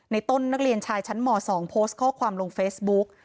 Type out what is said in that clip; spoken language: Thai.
ต้นนักเรียนชายชั้นม๒โพสต์ข้อความลงเฟซบุ๊ก